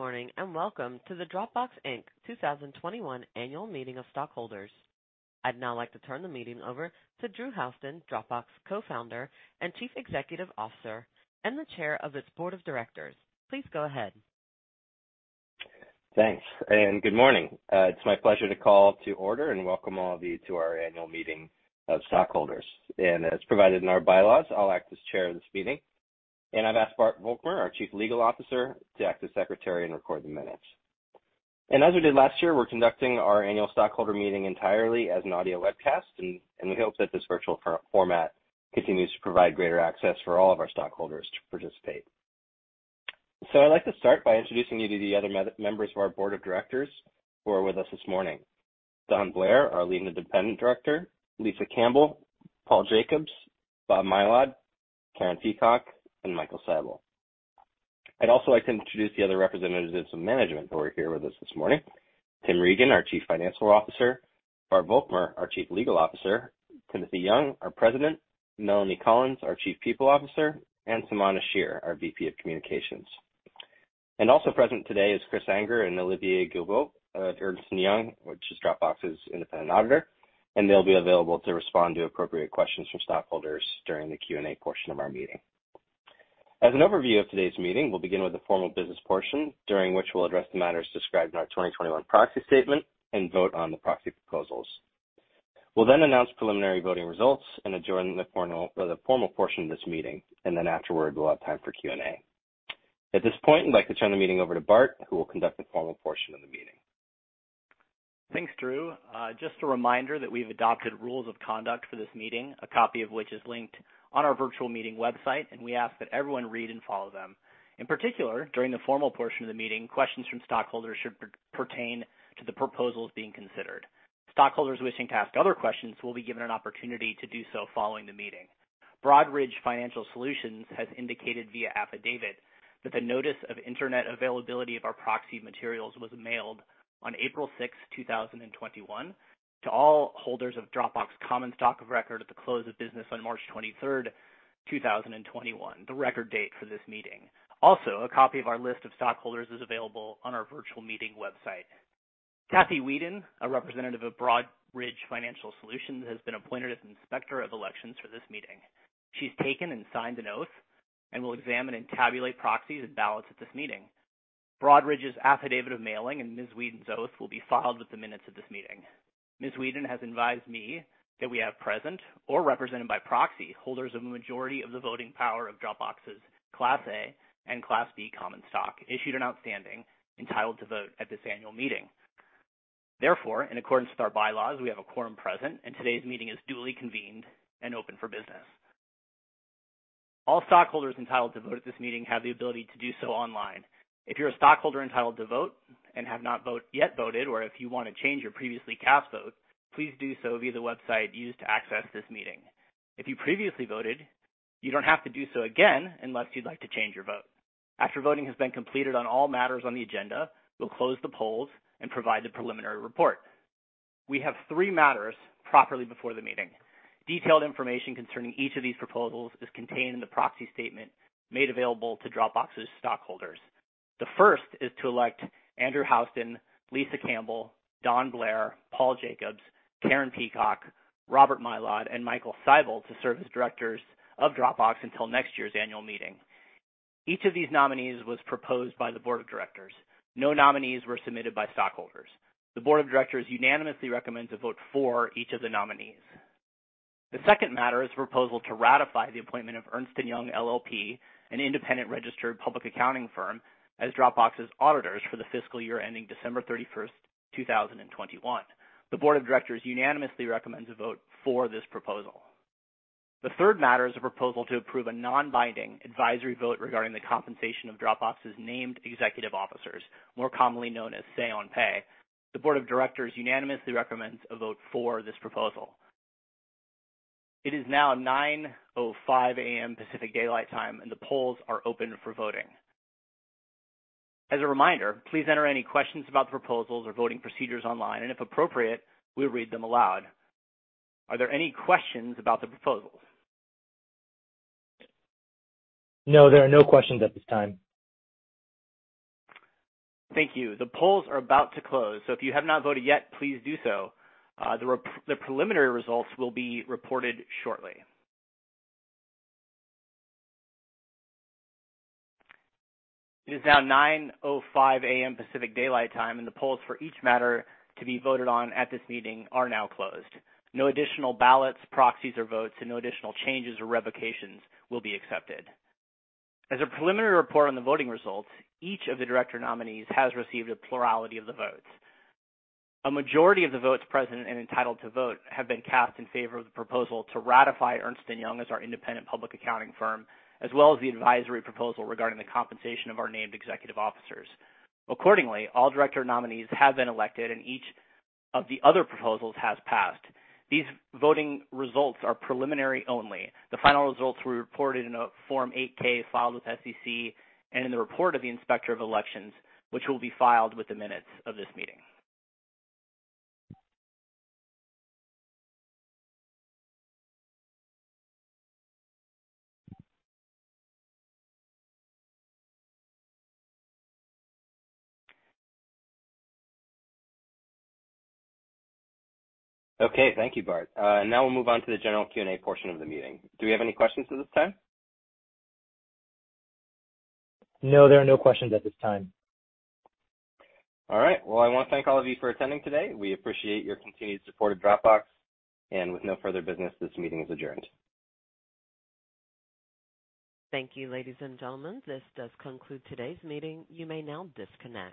Good morning, and welcome to the Dropbox Inc 2021 Annual Meeting of Stockholders. I'd now like to turn the meeting over to Drew Houston, Dropbox Co-Founder and Chief Executive Officer, and the Chair of its Board of Directors. Please go ahead. Thanks. Good morning. It's my pleasure to call to order and welcome all of you to our annual meeting of stockholders. As provided in our bylaws, I'll act as chair of this meeting, and I've asked Bart Volkmer, our Chief Legal Officer, to act as secretary and record the minutes. As we did last year, we're conducting our annual stockholder meeting entirely as an audio webcast, and we hope that this virtual format continues to provide greater access for all of our stockholders to participate. I'd like to start by introducing you to the other members of our board of directors who are with us this morning. Don Blair, our Lead Independent Director, Lisa Campbell, Paul Jacobs, Bob Mylod, Karen Peacock, and Michael Seibel. I'd also like to introduce the other representatives of management who are here with us this morning. Tim Regan, our Chief Financial Officer, Bart Volkmer, our Chief Legal Officer, Timothy Young, our President, Melanie Collins, our Chief People Officer, and Saman Asheer, our VP of Communications. Also present today is Chris Anger and Olivier Guilbault of Ernst & Young, which is Dropbox's independent auditor, and they'll be available to respond to appropriate questions from stockholders during the Q and A portion of our meeting. As an overview of today's meeting, we'll begin with the formal business portion, during which we'll address the matters described in our 2021 proxy statement and vote on the proxy proposals. We'll then announce preliminary voting results and adjourn the formal portion of this meeting, and then afterward, we'll have time for Q and A. At this point, I'd like to turn the meeting over to Bart, who will conduct the formal portion of the meeting. Thanks, Drew. Just a reminder that we've adopted rules of conduct for this meeting, a copy of which is linked on our virtual meeting website, and we ask that everyone read and follow them. In particular, during the formal portion of the meeting, questions from stockholders should pertain to the proposals being considered. Stockholders wishing to ask other questions will be given an opportunity to do so following the meeting. Broadridge Financial Solutions has indicated via affidavit that the notice of internet availability of our proxy materials was mailed on April 6th, 2021, to all holders of Dropbox common stock of record at the close of business on March 23rd, 2021, the record date for this meeting. Also, a copy of our list of stockholders is available on our virtual meeting website. Kathy Weeden, a representative of Broadridge Financial Solutions, has been appointed as Inspector of Elections for this meeting. She's taken and signed an oath and will examine and tabulate proxies and ballots at this meeting. Broadridge's affidavit of mailing and Ms. Weeden's oath will be filed with the minutes of this meeting. Ms. Weeden has advised me that we have present or represented by proxy holders of the majority of the voting power of Dropbox's Class A and Class B common stock, issued and outstanding, entitled to vote at this annual meeting. Therefore, in accordance with our bylaws, we have a quorum present, and today's meeting is duly convened and open for business. All stockholders entitled to vote at this meeting have the ability to do so online. If you're a stockholder entitled to vote and have not yet voted, or if you want to change your previously cast votes, please do so via the website used to access this meeting. If you previously voted, you don't have to do so again unless you'd like to change your vote. After voting has been completed on all matters on the agenda, we'll close the polls and provide the preliminary report. We have three matters properly before the meeting. Detailed information concerning each of these proposals is contained in the proxy statement made available to Dropbox's stockholders. The first is to elect Andrew Houston, Lisa Campbell, Don Blair, Paul Jacobs, Karen Peacock, Robert Mylod, and Michael Seibel to serve as directors of Dropbox until next year's annual meeting. Each of these nominees was proposed by the board of directors. No nominees were submitted by stockholders. The board of directors unanimously recommends a vote for each of the nominees. The second matter is a proposal to ratify the appointment of Ernst & Young LLP, an independent registered public accounting firm, as Dropbox's auditors for the fiscal year ending December 31st, 2021. The board of directors unanimously recommends a vote for this proposal. The third matter is a proposal to approve a non-binding advisory vote regarding the compensation of Dropbox's named executive officers, more commonly known as say on pay. The board of directors unanimously recommends a vote for this proposal. It is now 9:05 A.M. Pacific Daylight Time, and the polls are open for voting. As a reminder, please enter any questions about proposals or voting procedures online, and if appropriate, we'll read them aloud. Are there any questions about the proposals? No, there are no questions at this time. Thank you. The polls are about to close, so if you have not voted yet, please do so. The preliminary results will be reported shortly. It is now 9:05 A.M. Pacific Daylight Time. The polls for each matter to be voted on at this meeting are now closed. No additional ballots, proxies, or votes, and no additional changes or revocations will be accepted. As a preliminary report on the voting results, each of the director nominees has received a plurality of the votes. A majority of the votes present and entitled to vote have been cast in favor of the proposal to ratify Ernst & Young as our independent public accounting firm, as well as the advisory proposal regarding the compensation of our named executive officers. Accordingly, all director nominees have been elected, and each of the other proposals has passed. These voting results are preliminary only. The final results will be reported in a Form 8-K filed with the SEC and in the report of the Inspector of Elections, which will be filed with the minutes of this meeting. Okay. Thank you, Bart. Now we'll move on to the general Q and A portion of the meeting. Do we have any questions at this time? No, there are no questions at this time. All right. Well, I want to thank all of you for attending today. We appreciate your continued support of Dropbox, and with no further business, this meeting is adjourned. Thank you, ladies and gentlemen. This does conclude today's meeting. You may now disconnect.